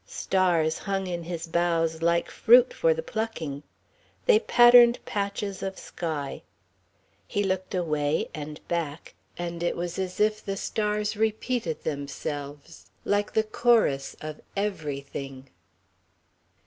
Stars hung in his boughs like fruit for the plucking. They patterned patches of sky. He looked away and back, and it was as if the stars repeated themselves, like the chorus of everything.